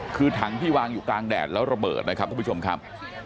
คือถังที่วางอยู่กลางแดดแล้วระเบิดนะครับทุกผู้ชมครับ